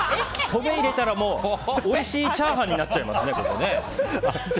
米入れたらもうおいしいチャーハンになっちゃいますね。